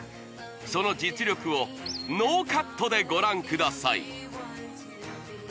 その実力をノーカットでご覧ください